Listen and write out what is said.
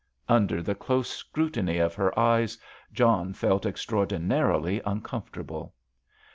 Under the close scrutiny of her eyes John felt extraordinarily uncomfortable.